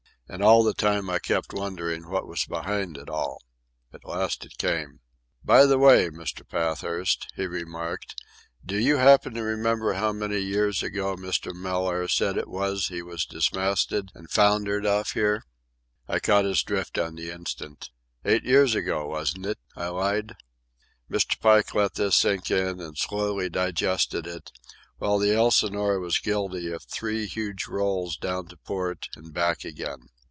And all the time I kept wondering what was behind it all. At last it came. "By the way, Mr. Pathurst," he remarked, "do you happen to remember how many years ago Mr. Mellaire said it was that he was dismasted and foundered off here?" I caught his drift on the instant. "Eight years ago, wasn't it?" I lied. Mr. Pike let this sink in and slowly digested it, while the Elsinore was guilty of three huge rolls down to port and back again.